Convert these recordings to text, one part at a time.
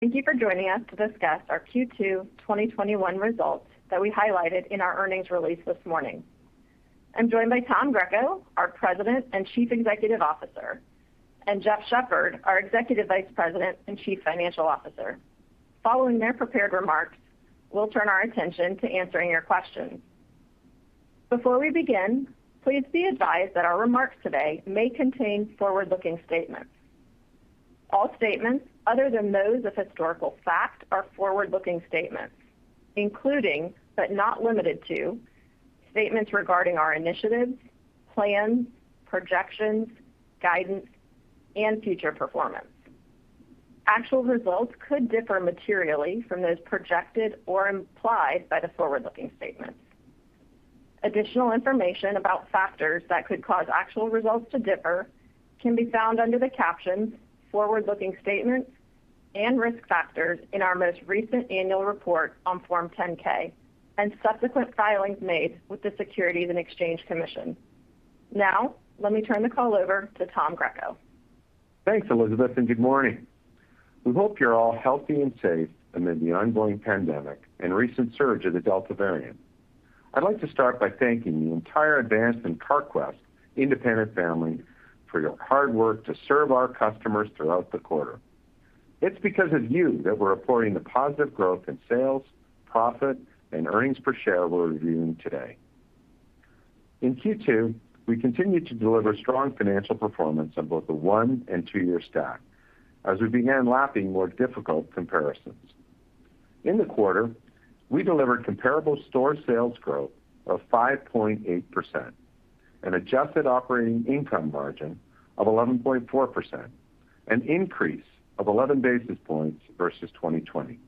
Thank you for joining us to discuss our Q2 2021 results that we highlighted in our earnings release this morning. I'm joined by Tom Greco, our President and Chief Executive Officer, and Jeff Shepherd, our Executive Vice President and Chief Financial Officer. Following their prepared remarks, we'll turn our attention to answering your questions. Before we begin, please be advised that our remarks today may contain forward-looking statements. All statements other than those of historical fact are forward-looking statements, including, but not limited to, statements regarding our initiatives, plans, projections, guidance, and future performance. Actual results could differ materially from those projected or implied by the forward-looking statements. Additional information about factors that could cause actual results to differ can be found under the captions "Forward-Looking Statements" and "Risk Factors" in our most recent annual report on Form 10-K and subsequent filings made with the Securities and Exchange Commission. Let me turn the call over to Tom Greco. Thanks, Elizabeth, and good morning. We hope you're all healthy and safe amid the ongoing pandemic and recent surge of the Delta variant. I'd like to start by thanking the entire Advance and Carquest independent family for your hard work to serve our customers throughout the quarter. It's because of you that we're reporting the positive growth in sales, profit, and earnings per share we're reviewing today. In Q2, we continued to deliver strong financial performance on both the one- and two-year stack as we began lapping more difficult comparisons. In the quarter, we delivered comparable store sales growth of 5.8%, an adjusted operating income margin of 11.4%, an increase of 11 basis points versus 2020.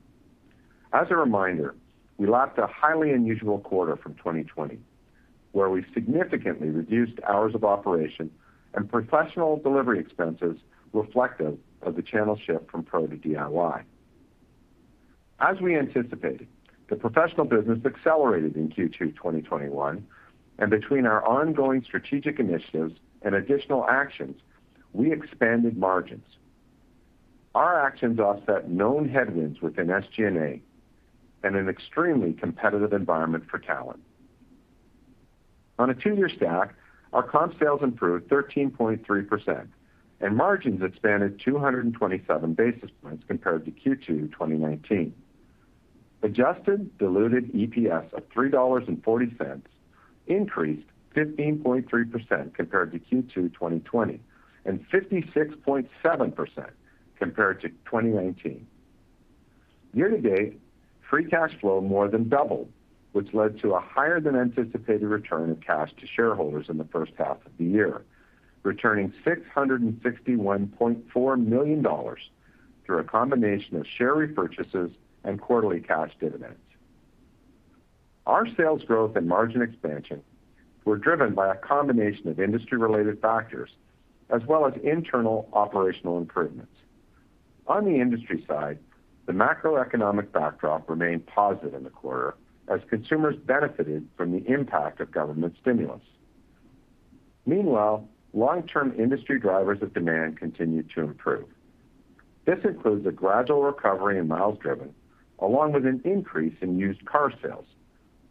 As a reminder, we lapped a highly unusual quarter from 2020, where we significantly reduced hours of operation and professional delivery expenses reflective of the channel shift from pro to DIY. As we anticipated, the professional business accelerated in Q2 2021, and between our ongoing strategic initiatives and additional actions, we expanded margins. Our actions offset known headwinds within SG&A and an extremely competitive environment for talent. On a two-year stack, our comp sales improved 13.3%, and margins expanded 227 basis points compared to Q2 2019. Adjusted diluted EPS of $3.40 increased 15.3% compared to Q2 2020 and 56.7% compared to 2019. Year-to-date, free cash flow more than doubled, which led to a higher than anticipated return of cash to shareholders in the first half of the year, returning $661.4 million through a combination of share repurchases and quarterly cash dividends. Our sales growth and margin expansion were driven by a combination of industry-related factors as well as internal operational improvements. On the industry side, the macroeconomic backdrop remained positive in the quarter as consumers benefited from the impact of government stimulus. Meanwhile, long-term industry drivers of demand continued to improve. This includes a gradual recovery in miles driven, along with an increase in used car sales,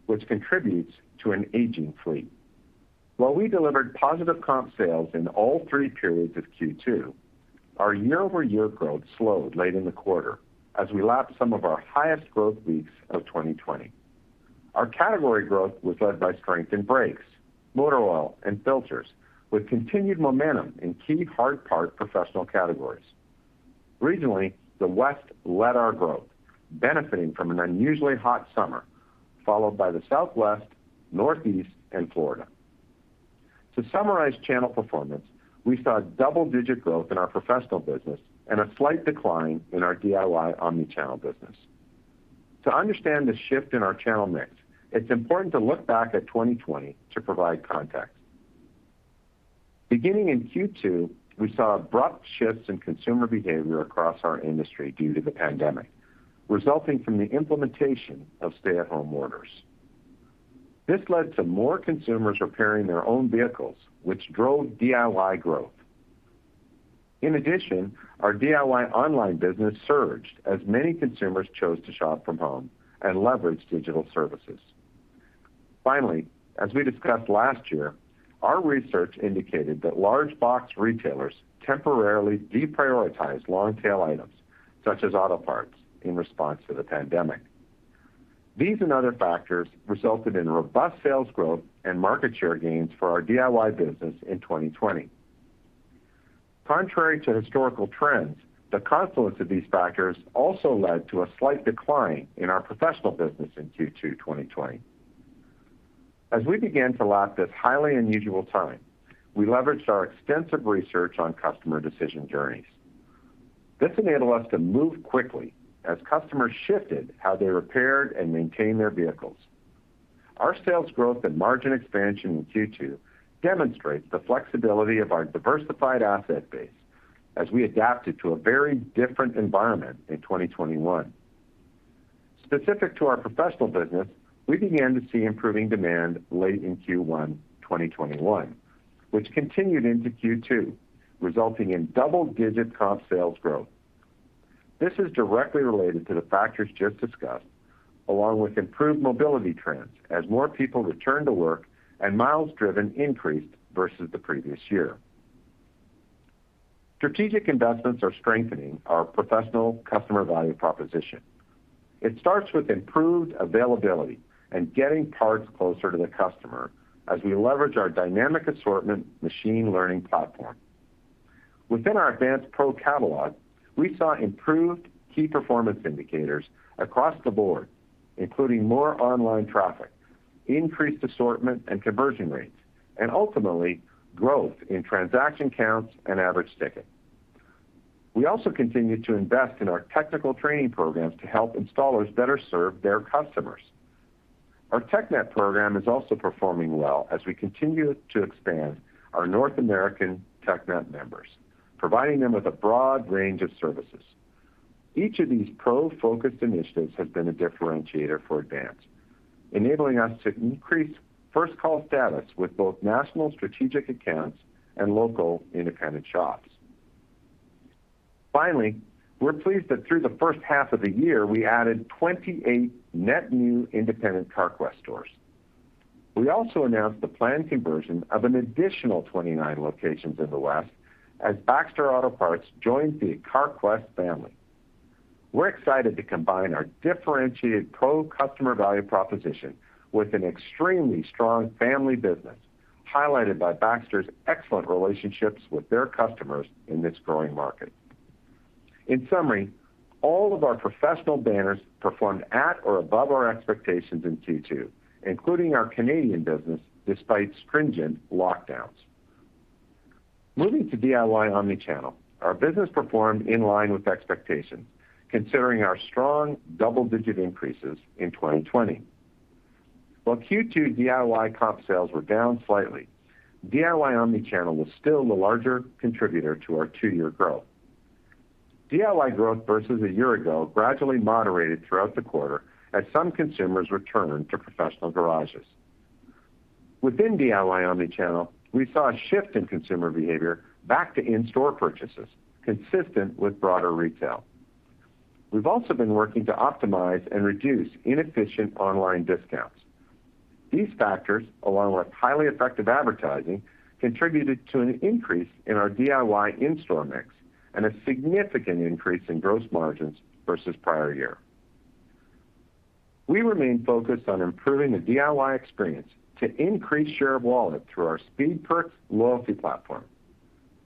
which contributes to an aging fleet. While we delivered positive comp sales in all three periods of Q2, our year-over-year growth slowed late in the quarter as we lapped some of our highest growth weeks of 2020. Our category growth was led by strength in brakes, motor oil, and filters, with continued momentum in key hard part professional categories. Regionally, the West led our growth, benefiting from an unusually hot summer, followed by the Southwest, Northeast, and Florida. To summarize channel performance, we saw double-digit growth in our professional business and a slight decline in our DIY omnichannel business. To understand the shift in our channel mix, it's important to look back at 2020 to provide context. Beginning in Q2, we saw abrupt shifts in consumer behavior across our industry due to the pandemic, resulting from the implementation of stay-at-home orders. This led to more consumers repairing their own vehicles, which drove DIY growth. In addition, our DIY online business surged as many consumers chose to shop from home and leveraged digital services. Finally, as we discussed last year, our research indicated that large box retailers temporarily deprioritized long-tail items, such as auto parts, in response to the pandemic. These and other factors resulted in robust sales growth and market share gains for our DIY business in 2020. Contrary to historical trends, the confluence of these factors also led to a slight decline in our professional business in Q2 2020. As we began to lap this highly unusual time, we leveraged our extensive research on customer decision journeys. This enabled us to move quickly as customers shifted how they repaired and maintained their vehicles. Our sales growth and margin expansion in Q2 demonstrates the flexibility of our diversified asset base as we adapted to a very different environment in 2021. Specific to our professional business, we began to see improving demand late in Q1 2021, which continued into Q2, resulting in double-digit comp sales growth. This is directly related to the factors just discussed, along with improved mobility trends as more people return to work and miles driven increased versus the previous year. Strategic investments are strengthening our professional customer value proposition. It starts with improved availability and getting parts closer to the customer as we leverage our dynamic assortment machine learning platform. Within our AdvancePro catalog, we saw improved key performance indicators across the board, including more online traffic, increased assortment and conversion rates, and ultimately, growth in transaction counts and average ticket. We also continue to invest in our technical training programs to help installers better serve their customers. Our TechNet program is also performing well as we continue to expand our North American TechNet members, providing them with a broad range of services. Each of these pro-focused initiatives has been a differentiator for Advance, enabling us to increase first-call status with both national strategic accounts and local independent shops. Finally, we're pleased that through the first half of the year, we added 28 net new independent Carquest stores. We also announced the planned conversion of an additional 29 locations in the West as Baxter Auto Parts joins the Carquest family. We're excited to combine our differentiated pro customer value proposition with an extremely strong family business, highlighted by Baxter's excellent relationships with their customers in this growing market. In summary, all of our professional banners performed at or above our expectations in Q2, including our Canadian business, despite stringent lockdowns. Moving to DIY omnichannel, our business performed in line with expectations, considering our strong double-digit increases in 2020. While Q2 DIY comp sales were down slightly, DIY omnichannel was still the larger contributor to our two-year growth. DIY growth versus a year ago gradually moderated throughout the quarter as some consumers returned to professional garages. Within DIY omnichannel, we saw a shift in consumer behavior back to in-store purchases, consistent with broader retail. We've also been working to optimize and reduce inefficient online discounts. These factors, along with highly effective advertising, contributed to an increase in our DIY in-store mix and a significant increase in gross margins versus prior year. We remain focused on improving the DIY experience to increase share of wallet through our Speed Perks loyalty platform.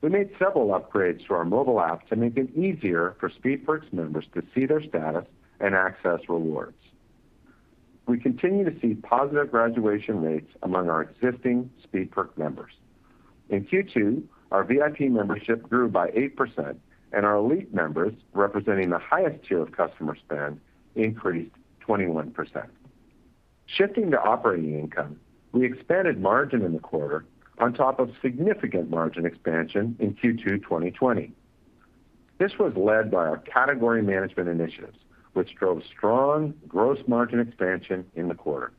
We made several upgrades to our mobile app to make it easier for Speed Perks members to see their status and access rewards. We continue to see positive graduation rates among our existing Speed Perks members. In Q2, our VIP membership grew by 8%, and our elite members, representing the highest tier of customer spend, increased 21%. Shifting to operating income, we expanded margin in the quarter on top of significant margin expansion in Q2 2020. This was led by our category management initiatives, which drove strong gross margin expansion in the quarter.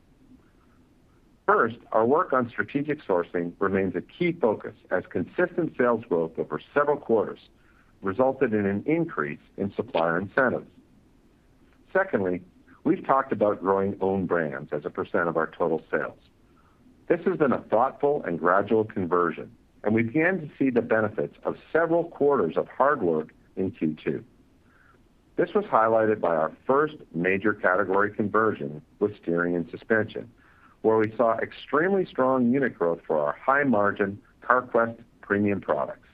First, our work on strategic sourcing remains a key focus as consistent sales growth over several quarters resulted in an increase in supplier incentives. Secondly, we've talked about growing own brands as a percent of our total sales. This has been a thoughtful and gradual conversion, and we began to see the benefits of several quarters of hard work in Q2. This was highlighted by our first major category conversion with steering and suspension, where we saw extremely strong unit growth for our high-margin Carquest Premium products.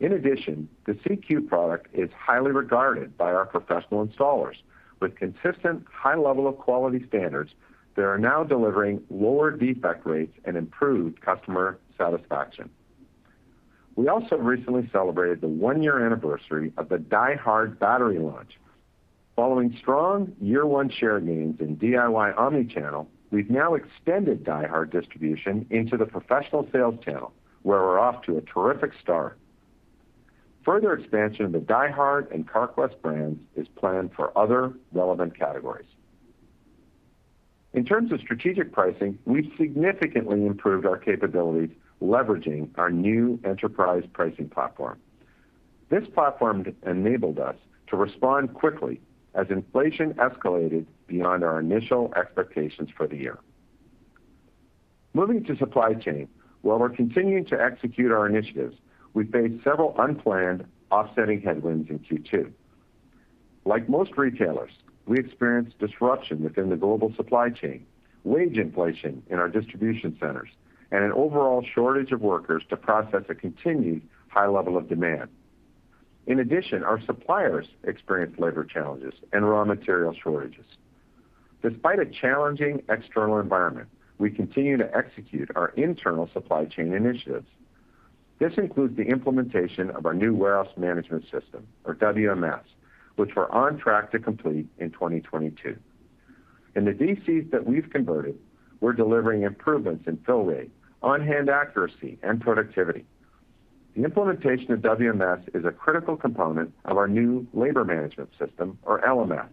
In addition, the CQ product is highly regarded by our professional installers. With consistent high level of quality standards, they are now delivering lower defect rates and improved customer satisfaction. We also recently celebrated the one-year anniversary of the DieHard battery launch. Following strong year one share gains in DIY omnichannel, we've now extended DieHard distribution into the professional sales channel, where we're off to a terrific start. Further expansion of the DieHard and Carquest brands is planned for other relevant categories. In terms of strategic pricing, we've significantly improved our capabilities leveraging our new enterprise pricing platform. This platform enabled us to respond quickly as inflation escalated beyond our initial expectations for the year. Moving to supply chain. While we're continuing to execute our initiatives, we faced several unplanned offsetting headwinds in Q2. Like most retailers, we experienced disruption within the global supply chain, wage inflation in our distribution centers, and an overall shortage of workers to process a continued high level of demand. In addition, our suppliers experienced labor challenges and raw material shortages. Despite a challenging external environment, we continue to execute our internal supply chain initiatives. This includes the implementation of our new warehouse management system, or WMS, which we're on track to complete in 2022. In the DCs that we've converted, we're delivering improvements in fill rate, on-hand accuracy, and productivity. The implementation of WMS is a critical component of our new labor management system, or LMS.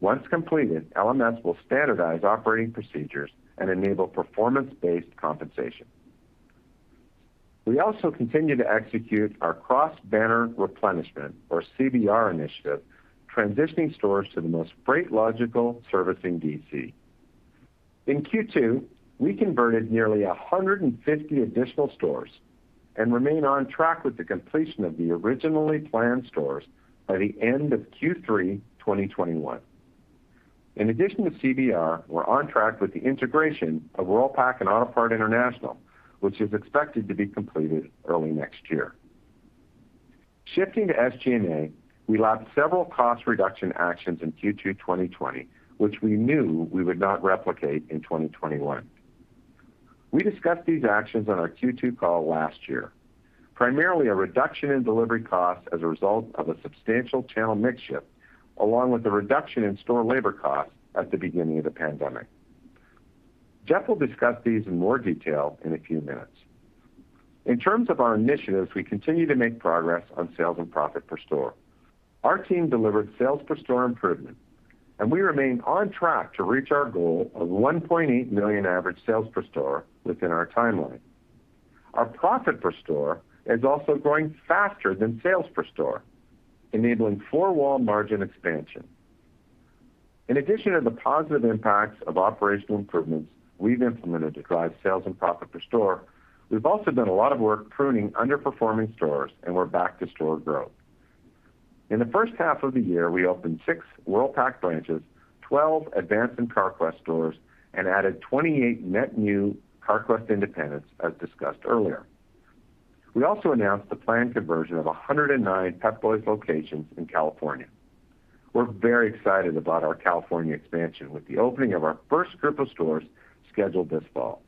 Once completed, LMS will standardize operating procedures and enable performance-based compensation. We also continue to execute our cross-banner replenishment, or CBR initiative, transitioning stores to the most freight logical servicing DC. In Q2, we converted nearly 150 additional stores and remain on track with the completion of the originally planned stores by the end of Q3 2021. In addition to CBR, we're on track with the integration of Worldpac and Autopart International, which is expected to be completed early next year. Shifting to SG&A, we lacked several cost reduction actions in Q2 2020, which we knew we would not replicate in 2021. We discussed these actions on our Q2 call last year. Primarily, a reduction in delivery costs as a result of a substantial channel mix shift, along with the reduction in store labor costs at the beginning of the pandemic. Jeff will discuss these in more detail in a few minutes. In terms of our initiatives, we continue to make progress on sales and profit per store. Our team delivered sales per store improvement, and we remain on track to reach our goal of 1.8 million average sales per store within our timeline. Our profit per store is also growing faster than sales per store, enabling four-wall margin expansion. In addition to the positive impacts of operational improvements we've implemented to drive sales and profit per store, we've also done a lot of work pruning underperforming stores, and we're back to store growth. In the first half of the year, we opened six Worldpac branches, 12 Advance and Carquest stores, and added 28 net new Carquest independents as discussed earlier. We also announced the planned conversion of 109 Pep Boys locations in California. We're very excited about our California expansion with the opening of our first group of stores scheduled this fall.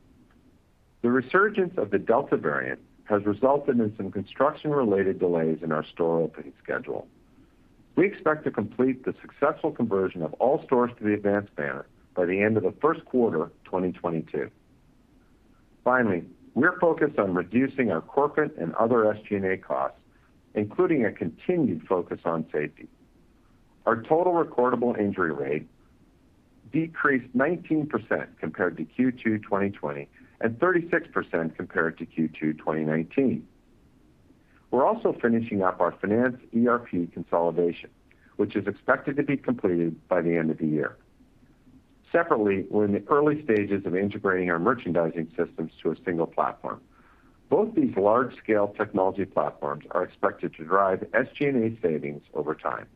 The resurgence of the Delta variant has resulted in some construction-related delays in our store opening schedule. We expect to complete the successful conversion of all stores to the Advance banner by the end of the first quarter 2022. Finally, we're focused on reducing our corporate and other SG&A costs, including a continued focus on safety. Our total recordable injury rate decreased 19% compared to Q2 2020 and 36% compared to Q2 2019. We're also finishing up our finance ERP consolidation, which is expected to be completed by the end of the year. Separately, we're in the early stages of integrating our merchandising systems to a single platform. Both these large-scale technology platforms are expected to drive SG&A savings over time.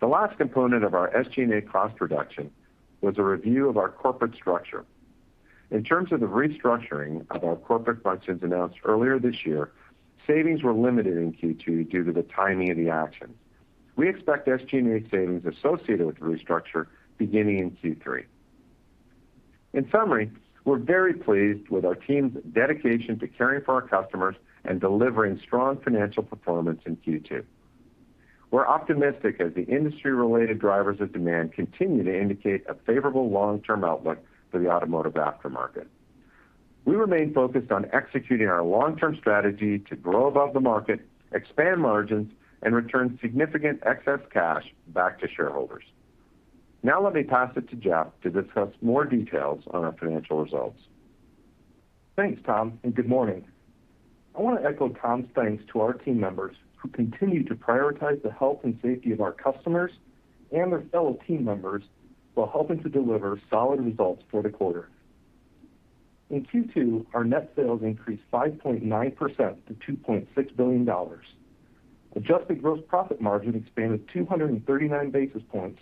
The last component of our SG&A cost reduction was a review of our corporate structure. In terms of the restructuring of our corporate functions announced earlier this year, savings were limited in Q2 due to the timing of the action. We expect SG&A savings associated with the restructure beginning in Q3. In summary, we're very pleased with our team's dedication to caring for our customers and delivering strong financial performance in Q2. We're optimistic as the industry-related drivers of demand continue to indicate a favorable long-term outlook for the automotive aftermarket. We remain focused on executing our long-term strategy to grow above the market, expand margins, and return significant excess cash back to shareholders. Now let me pass it to Jeff to discuss more details on our financial results. Thanks, Tom, and good morning. I want to echo Tom's thanks to our team members who continue to prioritize the health and safety of our customers and their fellow team members while helping to deliver solid results for the quarter. In Q2, our net sales increased 5.9% to $2.6 billion. Adjusted gross profit margin expanded 239 basis points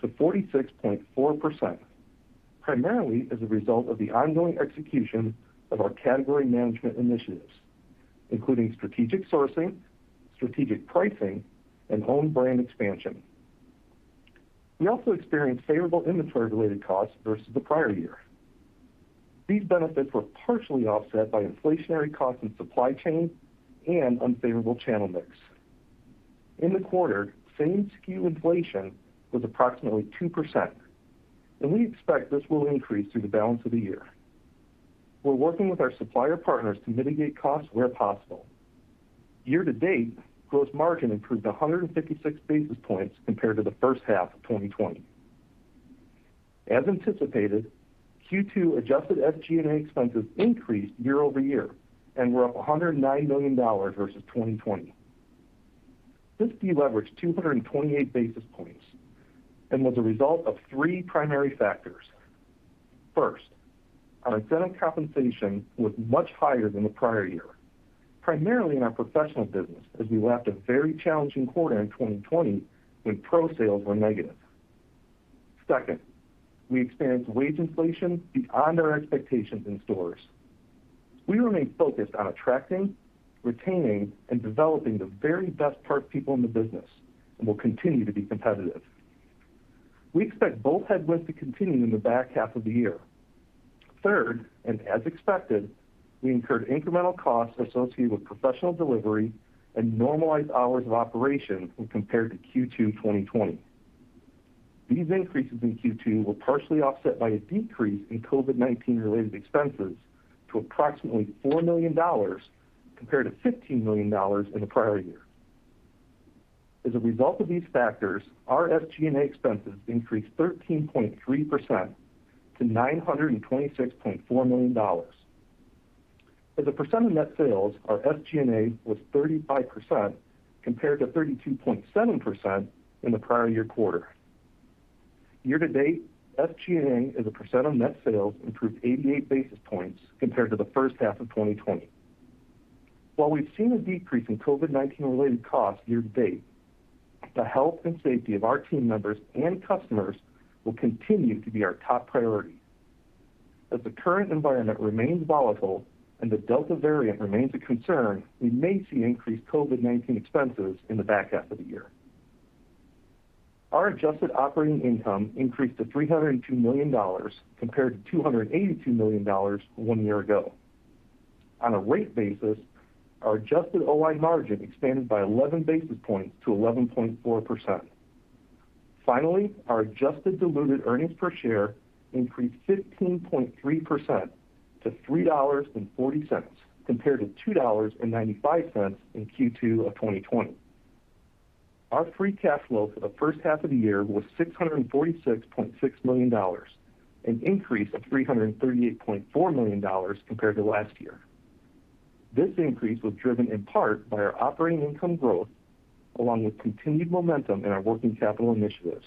to 46.4%, primarily as a result of the ongoing execution of our category management initiatives, including strategic sourcing, strategic pricing, and own-brand expansion. We also experienced favorable inventory-related costs versus the prior year. These benefits were partially offset by inflationary costs in supply chain and unfavorable channel mix. In the quarter, same-SKU inflation was approximately 2%, and we expect this will increase through the balance of the year. We're working with our supplier partners to mitigate costs where possible. Year-to-date, gross margin improved 156 basis points compared to the first half of 2020. As anticipated, Q2 adjusted SG&A expenses increased year-over-year and were up $109 million versus 2020. This deleveraged 228 basis points and was a result of three primary factors. First, our incentive compensation was much higher than the prior year, primarily in our professional business, as we lacked a very challenging quarter in 2020 when pro sales were negative. Second, we experienced wage inflation beyond our expectations in stores. We remain focused on attracting, retaining, and developing the very best part people in the business and will continue to be competitive. We expect both headwinds to continue in the back half of the year. Third, and as expected, we incurred incremental costs associated with professional delivery and normalized hours of operation when compared to Q2 2020. These increases in Q2 were partially offset by a decrease in COVID-19 related expenses to approximately $4 million compared to $15 million in the prior year. As a result of these factors, our SGA expenses increased 13.3% to $926.4 million. As a percent of net sales, our SGA was 35% compared to 32.7% in the prior year quarter. Year-to-date, SGA as a percent of net sales improved 88 basis points compared to the first half of 2020. While we've seen a decrease in COVID-19 related costs year-to-date, the health and safety of our team members and customers will continue to be our top priority. As the current environment remains volatile and the Delta variant remains a concern, we may see increased COVID-19 expenses in the back half of the year. Our adjusted operating income increased to $302 million compared to $282 million one year ago. On a rate basis, our adjusted OI margin expanded by 11 basis points to 11.4%. Finally, our adjusted diluted earnings per share increased 15.3% to $3.40 compared to $2.95 in Q2 of 2020. Our free cash flow for the first half of the year was $646.6 million, an increase of $338.4 million compared to last year. This increase was driven in part by our operating income growth, along with continued momentum in our working capital initiatives.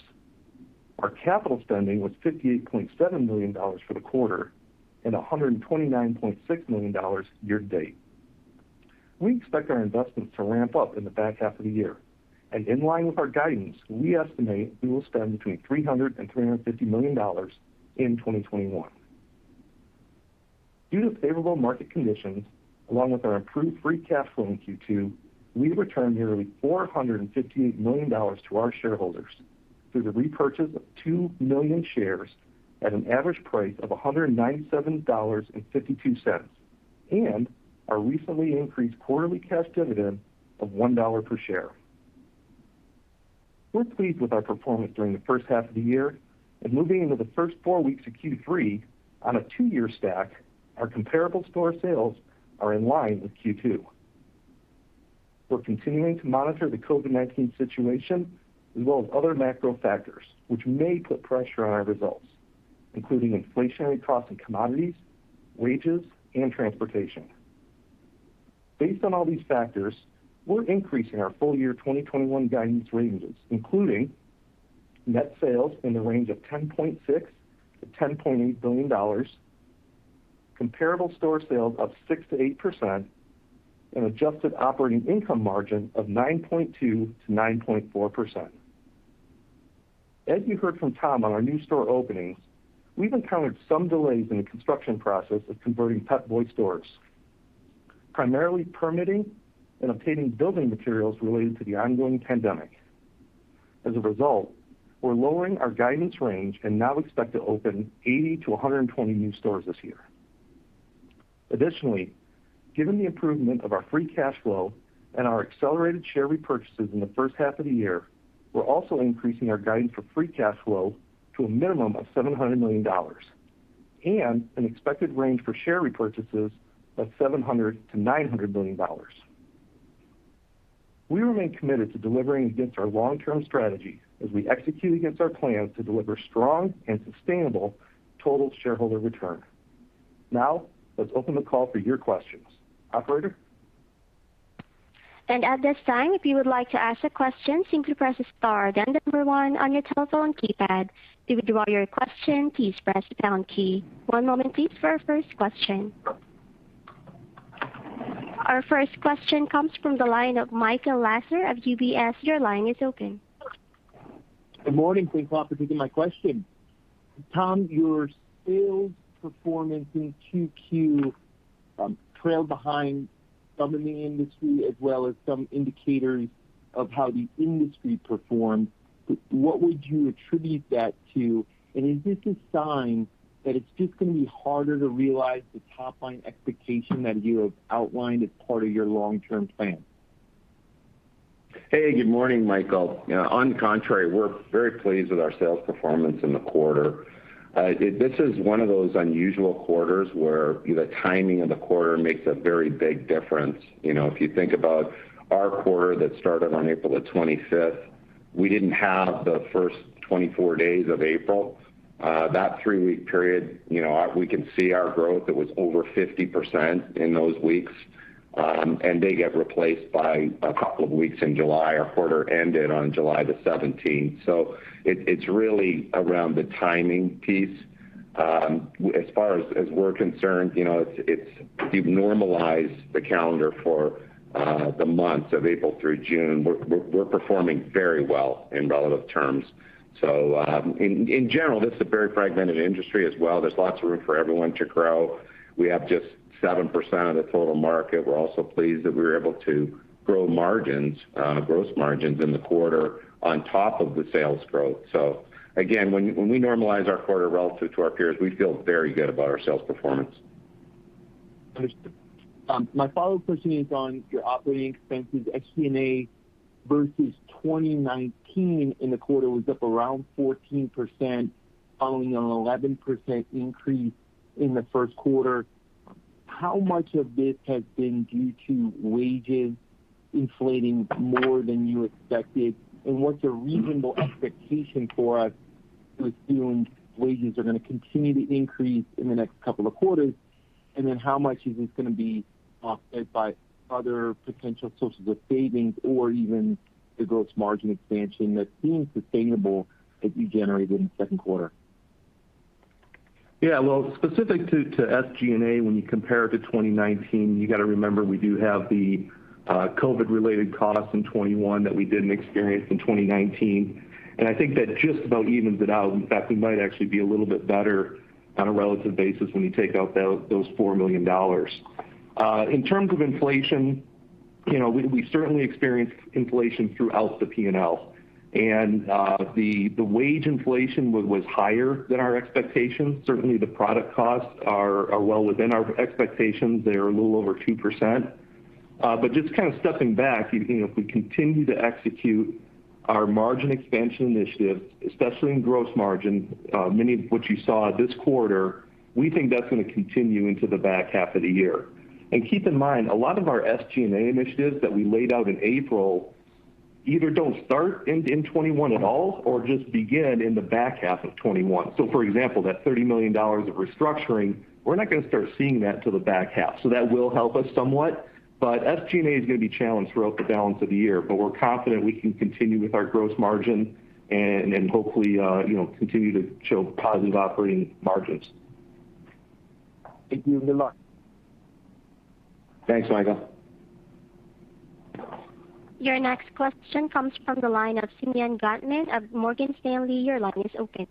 Our capital spending was $58.7 million for the quarter and $129.6 million year to date. We expect our investments to ramp up in the back half of the year. In line with our guidance, we estimate we will spend between $300 million and $350 million in 2021. Due to favorable market conditions, along with our improved free cash flow in Q2, we returned nearly $458 million to our shareholders through the repurchase of 2 million shares at an average price of $197.52, and our recently increased quarterly cash dividend of $1 per share. We're pleased with our performance during the first half of the year and moving into the first four weeks of Q3 on a two-year stack, our comparable store sales are in line with Q2. We're continuing to monitor the COVID-19 situation, as well as other macro factors, which may put pressure on our results, including inflationary costs and commodities, wages, and transportation. Based on all these factors, we're increasing our full year 2021 guidance ranges, including net sales in the range of $10.6 billion-$10.8 billion, comparable store sales of 6%-8%, and adjusted operating income margin of 9.2%-9.4%. As you heard from Tom on our new store openings, we've encountered some delays in the construction process of converting Pep Boys stores, primarily permitting and obtaining building materials related to the ongoing pandemic. We're lowering our guidance range and now expect to open 80 to 120 new stores this year. Given the improvement of our free cash flow and our accelerated share repurchases in the first half of the year, we're also increasing our guidance for free cash flow to a minimum of $700 million and an expected range for share repurchases of $700 million-$900 million. We remain committed to delivering against our long-term strategy as we execute against our plans to deliver strong and sustainable total shareholder return. Let's open the call for your questions. Operator? At this time, if you would like to ask a question, simply press star, then number one on your telephone keypad. To withdraw your question, please press the pound key. One moment, please, for our first question. Our first question comes from the line of Michael Lasser of UBS. Your line is open. Good morning. Thanks a lot for taking my question. Tom, your sales performance in Q2 trailed behind some in the industry, as well as some indicators of how the industry performed. What would you attribute that to? Is this a sign that it's just gonna be harder to realize the top-line expectation that you have outlined as part of your long-term plan? Hey, good morning, Michael. On the contrary, we're very pleased with our sales performance in the quarter. This is one of those unusual quarters where the timing of the quarter makes a very big difference. If you think about our quarter that started on April the 25th, we didn't have the first 24 days of April. That three-week period, we can see our growth. It was over 50% in those weeks, and they get replaced by a couple of weeks in July. Our quarter ended on July the 17th, so it's really around the timing piece. As far as we're concerned, if you normalize the calendar for the months of April through June, we're performing very well in relative terms. In general, this is a very fragmented industry as well. There's lots of room for everyone to grow. We have just 7% of the total market. We're also pleased that we were able to grow margins, gross margins in the quarter on top of the sales growth. Again, when we normalize our quarter relative to our peers, we feel very good about our sales performance. Understood. My follow-up question is on your operating expenses. SGA versus 2019 in the quarter was up around 14%, following an 11% increase in the first quarter. How much of this has been due to wages inflating more than you expected? What's a reasonable expectation for us to assume wages are going to continue to increase in the next couple of quarters? How much is this going to be offset by other potential sources of savings or even the gross margin expansion that seems sustainable that you generated in the second quarter? Well, specific to SG&A, when you compare it to 2019, you got to remember, we do have the COVID-related costs in 2021 that we didn't experience in 2019. I think that just about evens it out. In fact, we might actually be a little bit better on a relative basis when you take out those $4 million. In terms of inflation, we certainly experienced inflation throughout the P&L. The wage inflation was higher than our expectations. Certainly, the product costs are well within our expectations. They're a little over 2%. Just kind of stepping back, if we continue to execute our margin expansion initiatives, especially in gross margin, many of which you saw this quarter, we think that's going to continue into the back half of the year. Keep in mind, a lot of our SG&A initiatives that we laid out in April either don't start in 2021 at all or just begin in the back half of 2021. For example, that $30 million of restructuring, we're not going to start seeing that till the back half. That will help us somewhat, but SG&A is going to be challenged throughout the balance of the year. We're confident we can continue with our gross margin and hopefully continue to show positive operating margins. Thank you. Good luck. Thanks, Michael. Your next question comes from the line of Simeon Gutman of Morgan Stanley. Your line is open.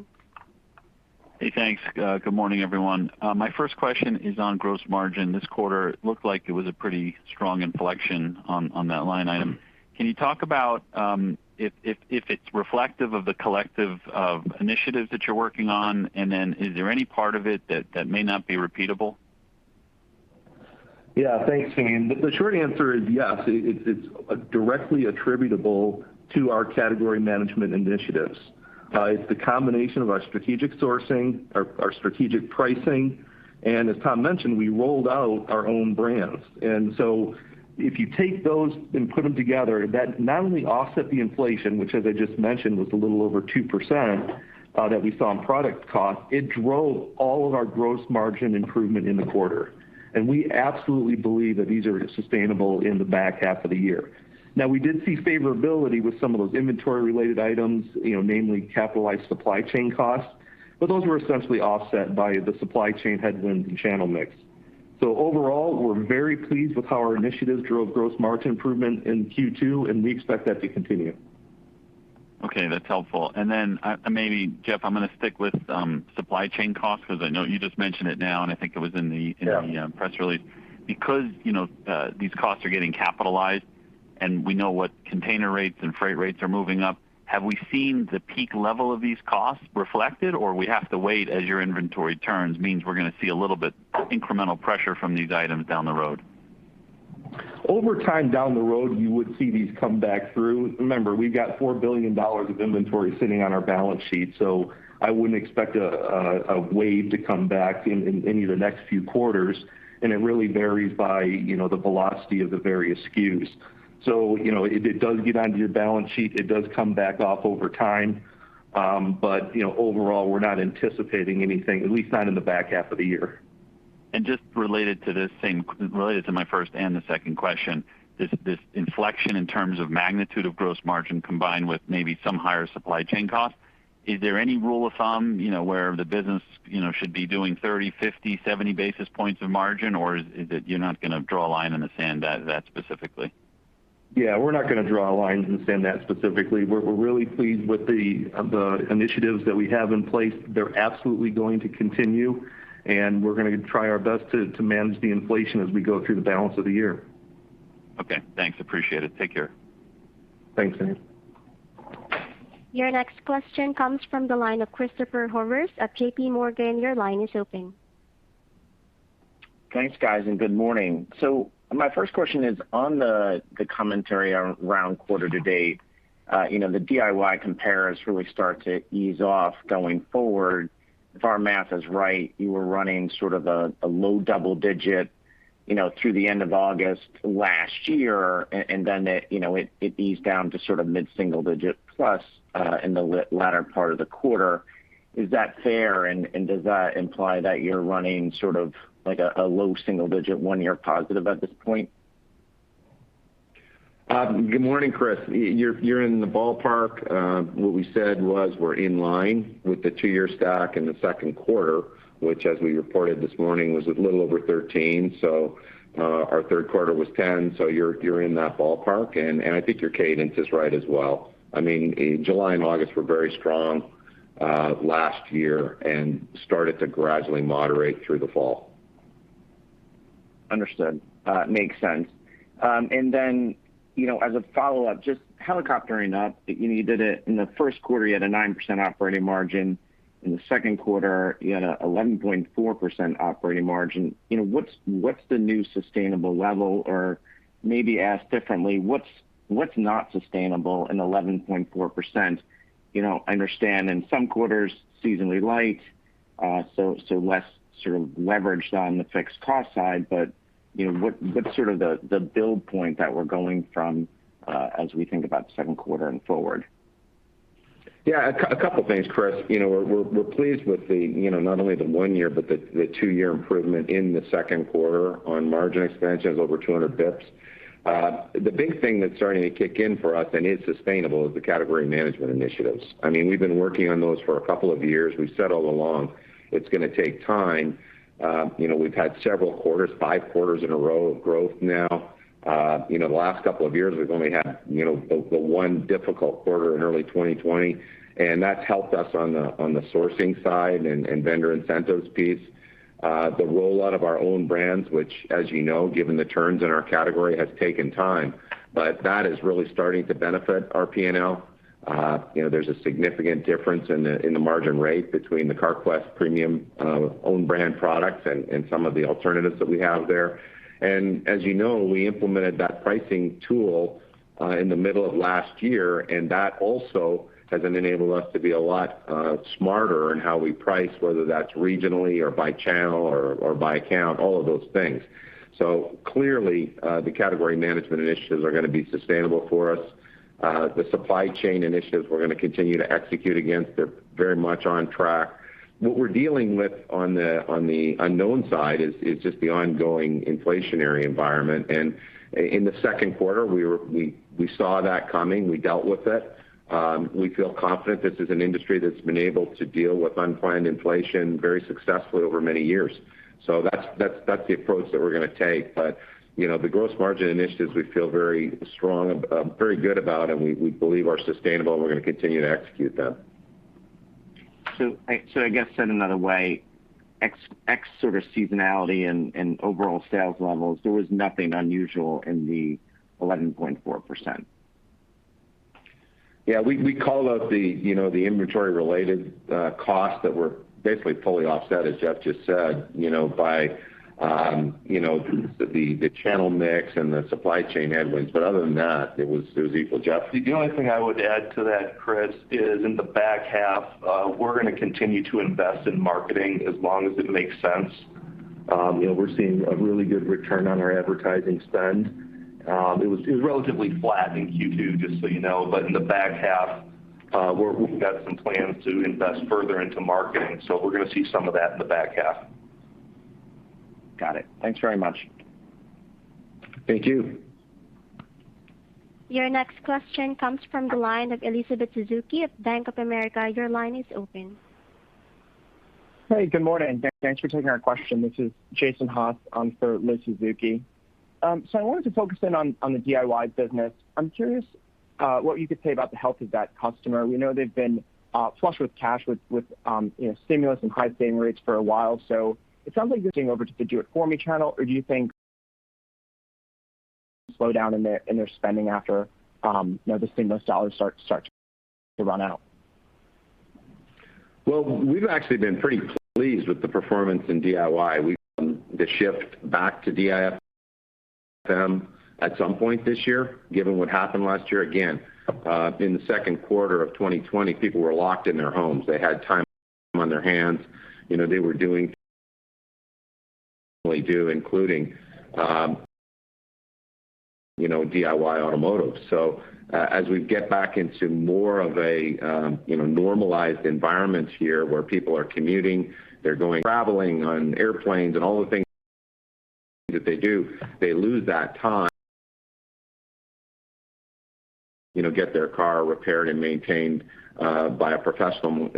Hey, thanks. Good morning, everyone. My first question is on gross margin. This quarter looked like it was a pretty strong inflection on that line item. Can you talk about if it's reflective of the collective of initiatives that you're working on? Is there any part of it that may not be repeatable? Yeah, thanks, Simeon. The short answer is yes. It's directly attributable to our category management initiatives. It's the combination of our strategic sourcing, our strategic pricing, and as Tom mentioned, we rolled out our own brands. If you take those and put them together, that not only offset the inflation, which as I just mentioned, was a little over 2% that we saw in product cost, it drove all of our gross margin improvement in the quarter. We absolutely believe that these are sustainable in the back half of the year. Now, we did see favorability with some of those inventory-related items, namely capitalized supply chain costs. Those were essentially offset by the supply chain headwinds and channel mix. Overall, we're very pleased with how our initiatives drove gross margin improvement in Q2, and we expect that to continue. Okay. That's helpful. Maybe, Jeff, I'm going to stick with supply chain costs because I know you just mentioned it now, and I think it was in the press release. Yeah These costs are getting capitalized and we know what container rates and freight rates are moving up, have we seen the peak level of these costs reflected, or we have to wait as your inventory turns, means we're going to see a little bit incremental pressure from these items down the road? Over time, down the road, you would see these come back through. Remember, we've got $4 billion of inventory sitting on our balance sheet, so I wouldn't expect a wave to come back in any of the next few quarters. It really varies by the velocity of the various SKUs. If it does get onto your balance sheet, it does come back off over time. Overall, we're not anticipating anything, at least not in the back half of the year. Just related to this thing, related to my first and the second question, this inflection in terms of magnitude of gross margin combined with maybe some higher supply chain costs, is there any rule of thumb, where the business should be doing 30, 50, 70 basis points of margin, or is it you're not going to draw a line in the sand that specifically? Yeah. We're not going to draw a line in the sand that specifically. We're really pleased with the initiatives that we have in place. They're absolutely going to continue, and we're going to try our best to manage the inflation as we go through the balance of the year. Okay. Thanks, appreciate it. Take care. Thanks, Simeon. Your next question comes from the line of Christopher Horvers at JPMorgan. Your line is open. Thanks, guys, and good morning. My first question is on the commentary around quarter-to-date. The DIY compares really start to ease off going forward. If our math is right, you were running sort of a low double-digit through the end of August last year, and then it eased down to sort of mid-single-digit plus in the latter part of the quarter. Is that fair, and does that imply that you're running sort of like a low single-digit one-year positive at this point? Good morning, Chris. You're in the ballpark. What we said was we're in line with the two-year stack in the second quarter, which as we reported this morning, was a little over 13. Our third quarter was 10, so you're in that ballpark. I think your cadence is right as well. I mean, July and August were very strong last year and started to gradually moderate through the fall. Understood. Makes sense. As a follow-up, just helicoptering up, you noted it in the first quarter, you had a 9% operating margin. In the second quarter, you had a 11.4% operating margin. What's the new sustainable level? Maybe asked differently, what's not sustainable in 11.4%? I understand in some quarters, seasonally light, so less sort of leverage on the fixed cost side, what's sort of the build point that we're going from as we think about the second quarter and forward? Yeah. A couple of things, Chris. We're pleased with not only the one year but the two-year improvement in the second quarter on margin expansion of over 200 basis points. The big thing that's starting to kick in for us and is sustainable is the category management initiatives. We've been working on those for a couple of years. We've said all along, it's going to take time. We've had several quarters, five quarters in a row of growth now. The last couple of years, we've only had the one difficult quarter in early 2020. That's helped us on the sourcing side and vendor incentives piece. The rollout of our own brands, which as you know, given the turns in our category, has taken time, but that is really starting to benefit our P&L. There's a significant difference in the margin rate between the Carquest Premium own brand products and some of the alternatives that we have there. As you know, we implemented that pricing tool in the middle of last year, and that also has enabled us to be a lot smarter in how we price, whether that's regionally or by channel or by account, all of those things. Clearly, the category management initiatives are going to be sustainable for us. The supply chain initiatives we're going to continue to execute against. They're very much on track. What we're dealing with on the unknown side is just the ongoing inflationary environment. In the second quarter, we saw that coming. We dealt with it. We feel confident this is an industry that's been able to deal with unplanned inflation very successfully over many years. That's the approach that we're going to take, but the gross margin initiatives we feel very good about and we believe are sustainable, and we're going to continue to execute them. I guess said another way, X sort of seasonality and overall sales levels, there was nothing unusual in the 11.4%. Yeah. We called out the inventory-related costs that were basically fully offset, as Jeff just said, by the channel mix and the supply chain headwinds. Other than that, it was equal. Jeff? The only thing I would add to that, Chris, is in the back half, we're going to continue to invest in marketing as long as it makes sense. We're seeing a really good return on our advertising spend. It was relatively flat in Q2, just so you know. In the back half, we've got some plans to invest further into marketing. We're going to see some of that in the back half. Got it. Thanks very much. Thank you. Your next question comes from the line of Elizabeth Suzuki of Bank of America. Your line is open. Hey, good morning. Thanks for taking our question. This is Jason Haas for Liz Suzuki. I wanted to focus in on the DIY business. I'm curious what you could say about the health of that customer. We know they've been flush with cash, with stimulus and high saving rates for a while. It sounds like you're thinking over to the do it for me channel, or do you think slow down in their spending after the stimulus dollars start to run out? Well, we've actually been pretty pleased with the performance in DIY. We've seen the shift back to DIY at some point this year, given what happened last year. In the second quarter of 2020, people were locked in their homes. They had time on their hands. They were doing, including DIY automotive. As we get back into more of a normalized environment here where people are commuting, they're going traveling on airplanes and all the things that they do, they lose that time. It's more likely that they would get their car repaired and maintained by a professional.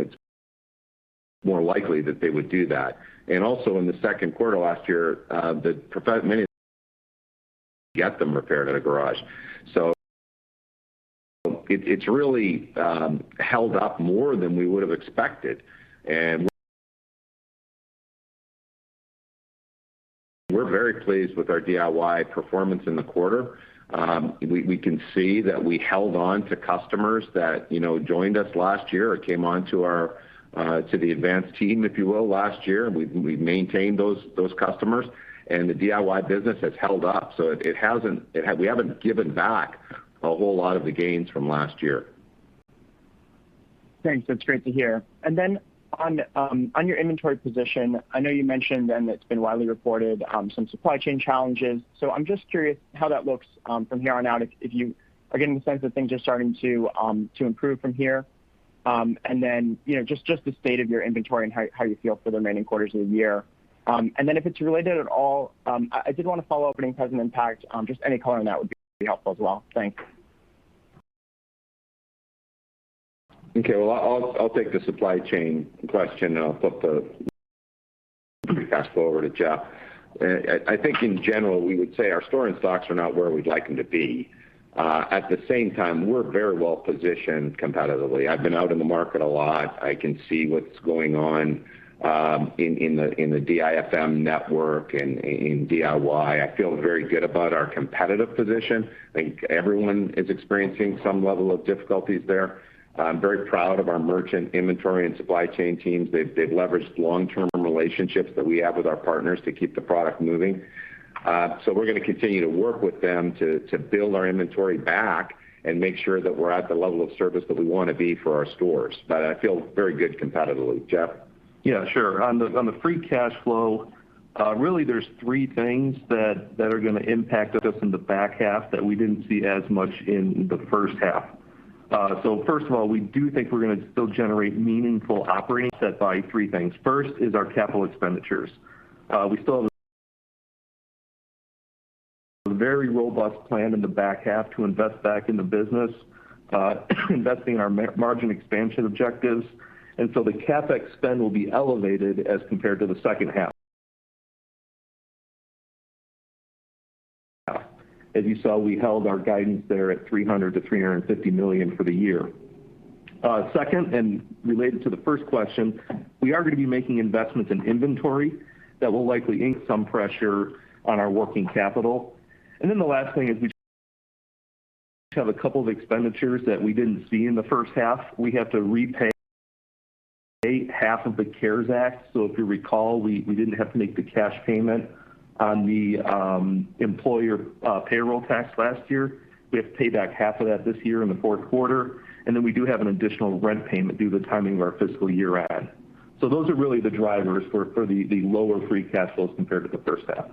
Also in the second quarter last year, many get them repaired at a garage. It's really held up more than we would've expected. We're very pleased with our DIY performance in the quarter. We can see that we held on to customers that joined us last year or came on to the Advance team, if you will, last year, and we've maintained those customers, and the DIY business has held up. We haven't given back a whole lot of the gains from last year. Thanks. That's great to hear. On your inventory position, I know you mentioned, and it's been widely reported, some supply chain challenges. I'm just curious how that looks from here on out, if you are getting a sense of things just starting to improve from here. Just the state of your inventory and how you feel for the remaining quarters of the year. If it's related at all, I did want to follow up on price impact, just any color on that would be helpful as well. Thanks. Okay. Well, I'll take the supply chain question, and I'll flip the free cash flow to Jeff. I think in general, we would say our store in-stocks are not where we'd like them to be. At the same time, we're very well-positioned competitively. I've been out in the market a lot. I can see what's going on in the DIFM network and in DIY. I feel very good about our competitive position. I think everyone is experiencing some level of difficulties there. I'm very proud of our merchant inventory and supply chain teams. They've leveraged long-term relationships that we have with our partners to keep the product moving. We're going to continue to work with them to build our inventory back and make sure that we're at the level of service that we want to be for our stores. I feel very good competitively. Jeff? Yeah, sure. On the free cash flow, really there's three things that are going to impact us in the back half that we didn't see as much in the first half. First of all, we do think we're going to still generate meaningful operating set by three things. First is our capital expenditures. We still have a very robust plan in the back half to invest back in the business, investing our margin expansion objectives, the CapEx spend will be elevated as compared to the second half. As you saw, we held our guidance there at $300 million-$350 million for the year. Second, related to the first question, we are going to be making investments in inventory that will likely some pressure on our working capital. The last thing is we have a couple of expenditures that we didn't see in the first half. We have to repay half of the CARES Act. If you recall, we didn't have to make the cash payment on the employer payroll tax last year. We have to pay back half of that this year in the fourth quarter. We do have an additional rent payment due the timing of our fiscal year-end. Those are really the drivers for the lower free cash flows compared to the first half.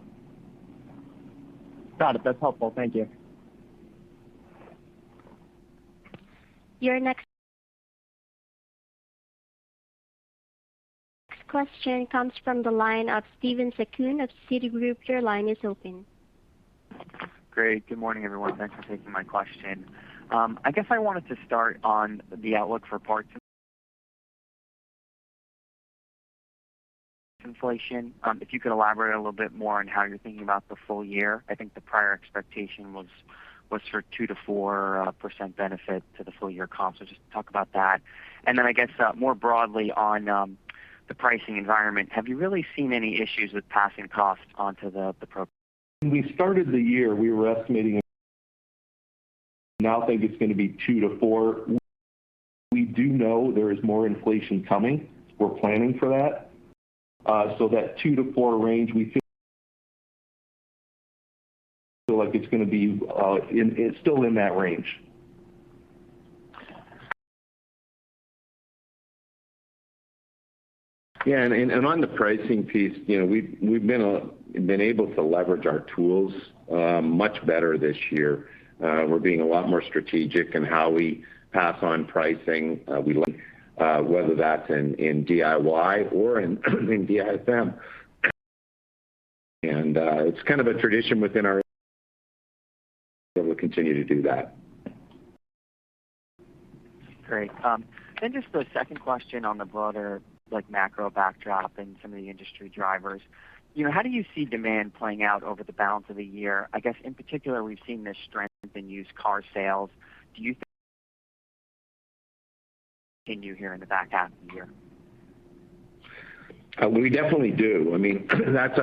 Got it. That's helpful. Thank you. Your next question comes from the line of Steven Zaccone of Citigroup. Your line is open. Great. Good morning, everyone. Thanks for taking my question. I wanted to start on the outlook for parts inflation. If you could elaborate a little bit more on how you're thinking about the full year. I think the prior expectation was for 2%-4% benefit to the full year comp. Just talk about that. Then more broadly on the pricing environment, have you really seen any issues with passing costs onto the pro. When we started the year, we were estimating now think it's going to be 2%-4%. We do know there is more inflation coming. We're planning for that. That 2%-4% range, we feel like it's going to be still in that range. Yeah, on the pricing piece, we've been able to leverage our tools much better this year. We're being a lot more strategic in how we pass on pricing. We like, whether that's in DIY or in DIFM. It's kind of a tradition so we'll continue to do that. Great. Just the second question on the broader macro backdrop and some of the industry drivers. How do you see demand playing out over the balance of the year? I guess in particular, we've seen this strength in used car sales. Do you think continue here in the back half of the year? We definitely do. That's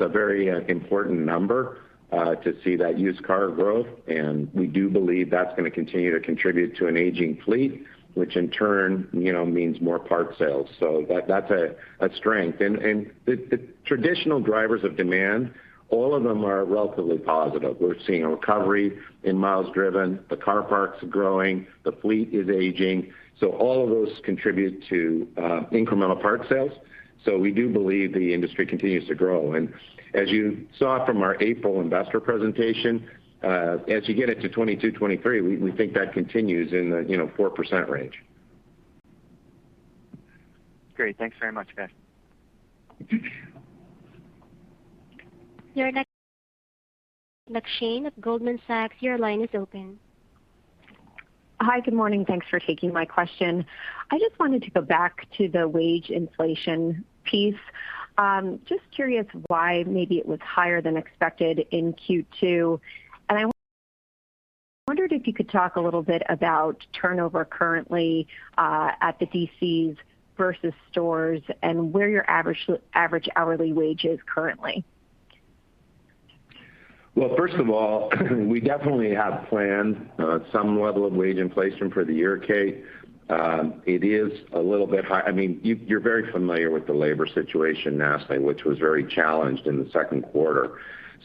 a very important number to see that used car growth, and we do believe that's going to continue to contribute to an aging fleet, which in turn means more part sales. That's a strength. The traditional drivers of demand, all of them are relatively positive. We're seeing a recovery in miles driven, the car parks are growing, the fleet is aging. All of those contribute to incremental part sales. We do believe the industry continues to grow. As you saw from our April investor presentation, as you get into 2022, 2023, we think that continues in the 4% range. Great. Thanks very much, guys. Your next- McShane of Goldman Sachs, your line is open. Hi. Good morning. Thanks for taking my question. I just wanted to go back to the wage inflation piece. Just curious why maybe it was higher than expected in Q2. I wondered if you could talk a little bit about turnover currently at the DCs versus stores and where your average hourly wage is currently. Well, first of all, we definitely have planned some level of wage inflation for the year, Kate. It is a little bit high. You're very familiar with the labor situation nationally, which was very challenged in the second quarter.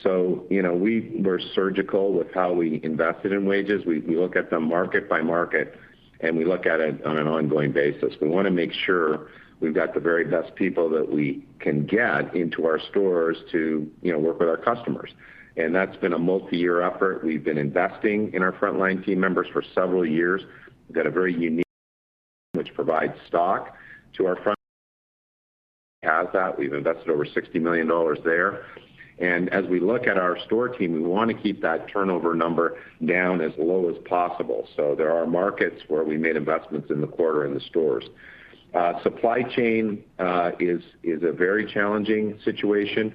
We're surgical with how we invested in wages. We look at them market by market, and we look at it on an ongoing basis. We want to make sure we've got the very best people that we can get into our stores to work with our customers. That's been a multi-year effort. We've been investing in our frontline team members for several years. We've got a very unique which provides stock to our front as that. We've invested over $60 million there. As we look at our store team, we want to keep that turnover number down as low as possible. There are markets where we made investments in the quarter in the stores. Supply chain is a very challenging situation.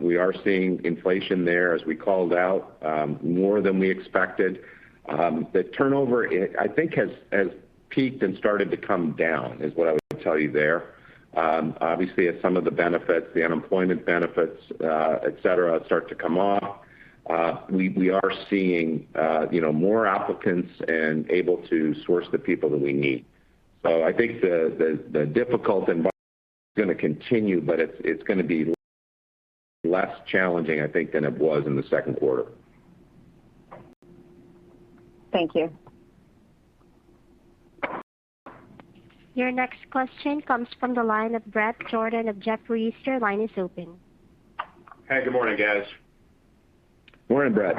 We are seeing inflation there as we called out more than we expected. The turnover, I think, has peaked and started to come down, is what I would tell you there. Obviously, as some of the benefits, the unemployment benefits, et cetera, start to come off, we are seeing more applicants and able to source the people that we need. I think the difficult environment is going to continue, but it's going to be less challenging, I think, than it was in the second quarter. Thank you. Your next question comes from the line of Bret Jordan of Jefferies. Your line is open. Hey, good morning, guys. Morning, Bret.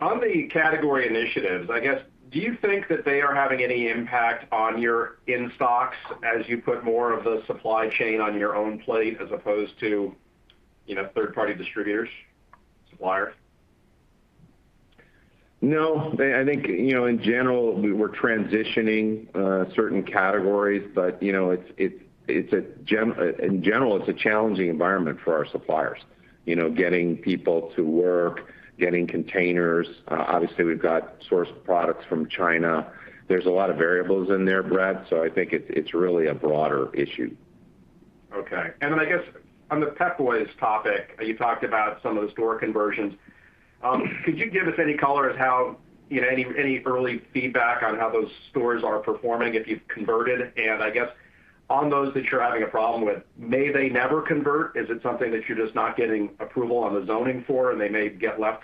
On the category initiatives, I guess, do you think that they are having any impact on your in-stocks as you put more of the supply chain on your own plate as opposed to third-party distributors, suppliers? No. I think, in general, we're transitioning certain categories, but in general, it's a challenging environment for our suppliers. Getting people to work, getting containers. Obviously, we've got sourced products from China. There's a lot of variables in there, Bret, so I think it's really a broader issue. Okay. I guess on the Pep Boys topic, you talked about some of the store conversions. Could you give us any color as how any early feedback on how those stores are performing, if you've converted? I guess on those that you're having a problem with, may they never convert? Is it something that you're just not getting approval on the zoning for and they may get left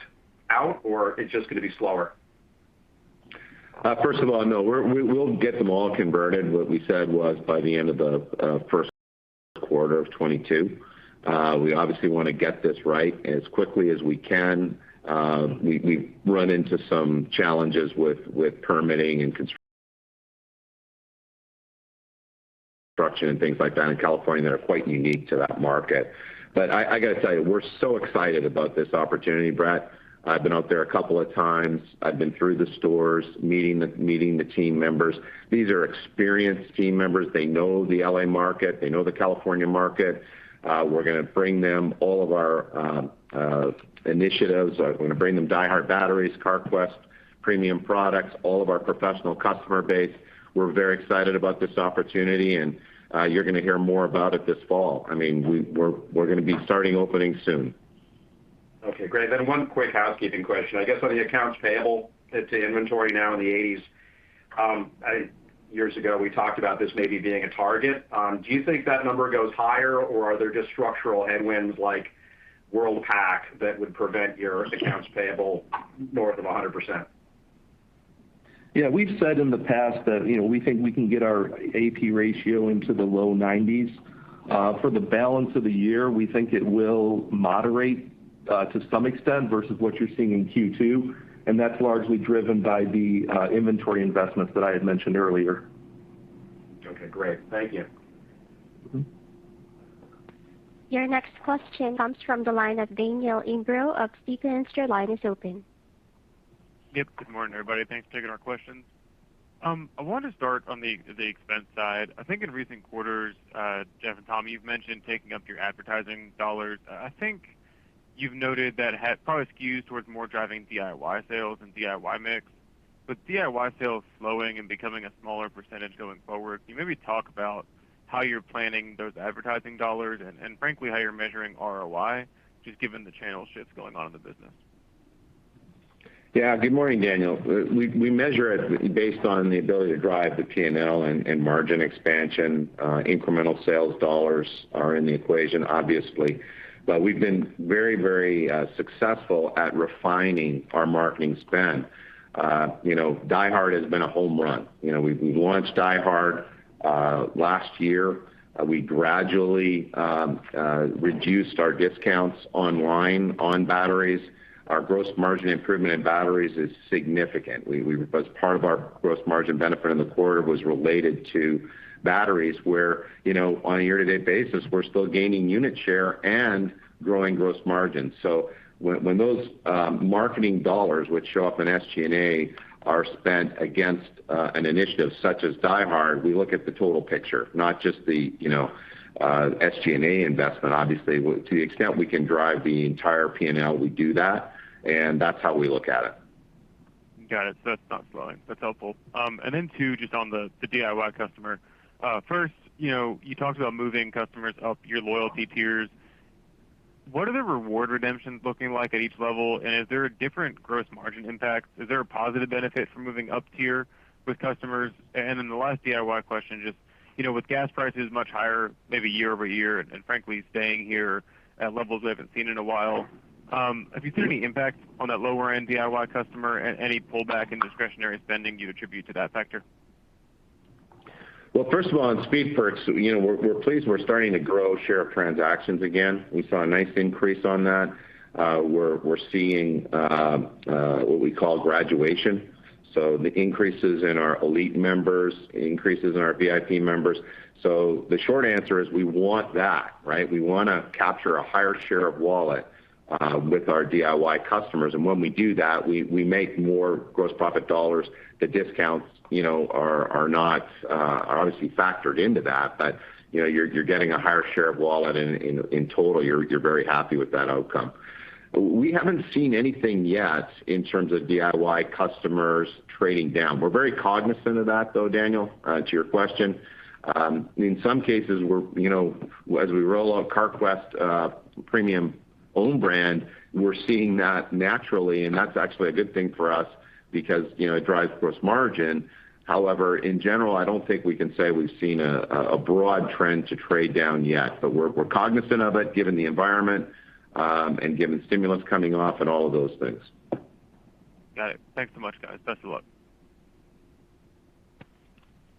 out, or it's just going to be slower? First of all, no, we'll get them all converted. What we said was by the end of the first quarter of 2022. We obviously want to get this right as quickly as we can. We've run into some challenges with permitting and construction and things like that in California that are quite unique to that market. I got to tell you, we're so excited about this opportunity, Bret. I've been out there a couple of times. I've been through the stores, meeting the team members. These are experienced team members. They know the L.A. market. They know the California market. We're going to bring them all of our initiatives. We're going to bring them DieHard batteries, Carquest Premium products, all of our professional customer base. We're very excited about this opportunity, and you're going to hear more about it this fall. We're going to be starting opening soon. Okay, great. One quick housekeeping question. I guess on the accounts payable to inventory now in the 80s. Years ago, we talked about this maybe being a target. Do you think that number goes higher, or are there just structural headwinds like Worldpac that would prevent your accounts payable north of 100%? Yeah, we've said in the past that we think we can get our AP ratio into the low 90s. For the balance of the year, we think it will moderate to some extent versus what you're seeing in Q2, and that's largely driven by the inventory investments that I had mentioned earlier. Okay, great. Thank you. Your next question comes from the line of Daniel Imbro of Stephens. Your line is open. Good morning, everybody. Thanks for taking our questions. I want to start on the expense side. I think in recent quarters, Jeff and Tom, you've mentioned taking up your advertising dollars. I think you've noted that it probably skews towards more driving DIY sales and DIY mix. With DIY sales slowing and becoming a smaller percentage going forward, can you maybe talk about how you're planning those advertising dollars and frankly, how you're measuring ROI, just given the channel shifts going on in the business? Yeah. Good morning, Daniel. We measure it based on the ability to drive the P&L and margin expansion. Incremental sales dollars are in the equation, obviously. We've been very successful at refining our marketing spend. DieHard has been a home run. We launched DieHard last year. We gradually reduced our discounts online on batteries. Our gross margin improvement in batteries is significant. Part of our gross margin benefit in the quarter was related to batteries, where on a year-to-date basis, we're still gaining unit share and growing gross margin. When those marketing dollars, which show up in SG&A, are spent against an initiative such as DieHard, we look at the total picture, not just the SG&A investment. Obviously, to the extent we can drive the entire P&L, we do that, and that's how we look at it. Got it. That's not slowing. That's helpful. Then two, just on the DIY customer. First, you talked about moving customers up your loyalty tiers. What are the reward redemptions looking like at each level, and is there a different gross margin impact? Is there a positive benefit from moving up tier with customers? Then the last DIY question, just with gas prices much higher maybe year-over-year and frankly staying here at levels we haven't seen in a while, have you seen any impact on that lower-end DIY customer and any pullback in discretionary spending you attribute to that factor? Well, first of all, on Speed Perks, we're pleased we're starting to grow share of transactions again. We saw a nice increase on that. We're seeing what we call graduation, the increases in our elite members, increases in our VIP members. The short answer is we want that, right? We want to capture a higher share of wallet with our DIY customers. When we do that, we make more gross profit dollars. The discounts are obviously factored into that. You're getting a higher share of wallet in total. You're very happy with that outcome. We haven't seen anything yet in terms of DIY customers trading down. We're very cognizant of that, though, Daniel, to your question. In some cases, as we roll out Carquest Premium own brand, we're seeing that naturally, that's actually a good thing for us because it drives gross margin. In general, I don't think we can say we've seen a broad trend to trade down yet, but we're cognizant of it given the environment and given stimulus coming off and all of those things. Got it. Thanks so much, guys. Best of luck.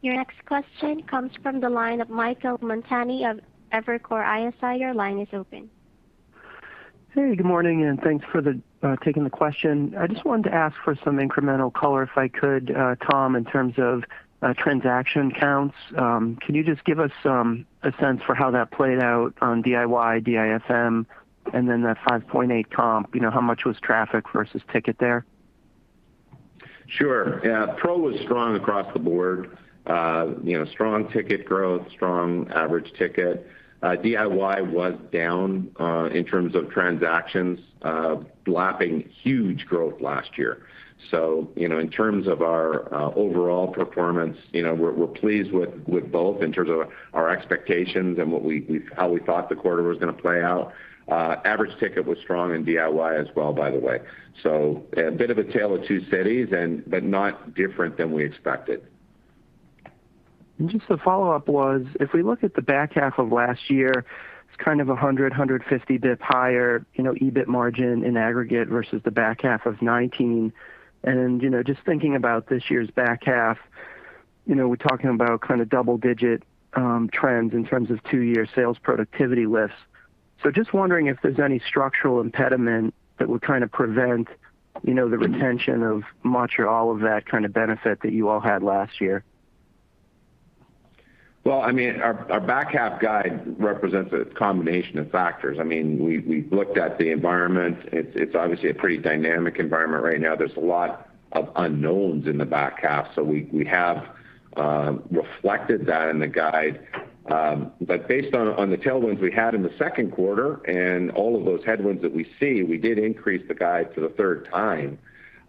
Your next question comes from the line of Michael Montani of Evercore ISI. Hey, good morning, and thanks for taking the question. I just wanted to ask for some incremental color, if I could, Tom, in terms of transaction counts. Can you just give us a sense for how that played out on DIY, DIFM, and then the 5.8 comp? How much was traffic versus ticket there? Sure. Yeah. Pro was strong across the board. Strong ticket growth, strong average ticket. DIY was down in terms of transactions lapping huge growth last year. In terms of our overall performance, we're pleased with both in terms of our expectations and how we thought the quarter was going to play out. Average ticket was strong in DIY as well, by the way. A bit of a tale of two cities, not different than we expected. Just the follow-up was, if we look at the back half of last year, it's kind of 100, 150 bps higher EBIT margin in aggregate versus the back half of 2019. Just thinking about this year's back half, we're talking about kind of double-digit trends in terms of two-year sales productivity lifts. Just wondering if there's any structural impediment that would kind of prevent the retention of much or all of that kind of benefit that you all had last year. Well, our back half guide represents a combination of factors. We've looked at the environment. It's obviously a pretty dynamic environment right now. There's a lot of unknowns in the back half. We have reflected that in the guide. Based on the tailwinds we had in the second quarter and all of those headwinds that we see, we did increase the guide for the third time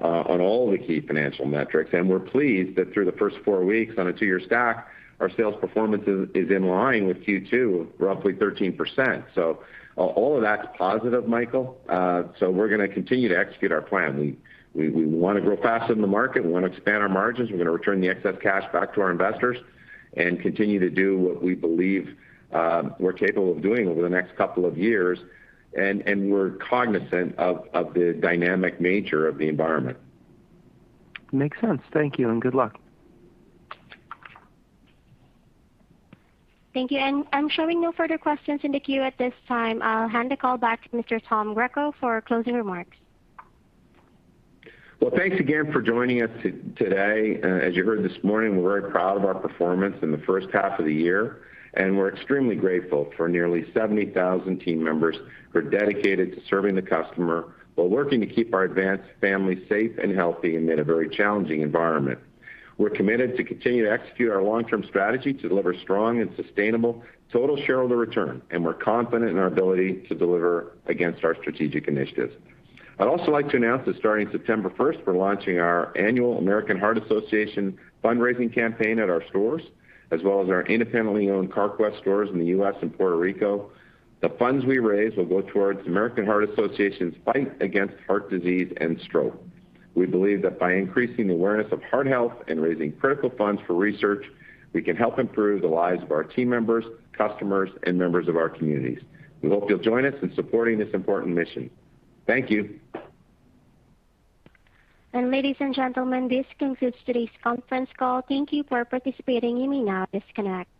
on all the key financial metrics. We're pleased that through the first four weeks on a two-year stack, our sales performance is in line with Q2, roughly 13%. All of that's positive, Michael. We're going to continue to execute our plan. We want to grow faster than the market. We want to expand our margins. We're going to return the excess cash back to our investors and continue to do what we believe we're capable of doing over the next couple of years. We're cognizant of the dynamic nature of the environment. Makes sense. Thank you and good luck. Thank you. I'm showing no further questions in the queue at this time. I'll hand the call back to Mr. Tom Greco for closing remarks. Well, thanks again for joining us today. As you heard this morning, we're very proud of our performance in the first half of the year, and we're extremely grateful for nearly 70,000 team members who are dedicated to serving the customer while working to keep our Advance family safe and healthy amid a very challenging environment. We're committed to continue to execute our long-term strategy to deliver strong and sustainable total shareholder return, and we're confident in our ability to deliver against our strategic initiatives. I'd also like to announce that starting September 1st, we're launching our annual American Heart Association fundraising campaign at our stores, as well as our independently owned Carquest stores in the U.S. and Puerto Rico. The funds we raise will go towards American Heart Association's fight against heart disease and stroke. We believe that by increasing awareness of heart health and raising critical funds for research, we can help improve the lives of our team members, customers, and members of our communities. We hope you'll join us in supporting this important mission. Thank you. Ladies and gentlemen, this concludes today's conference call. Thank you for participating. You may now disconnect.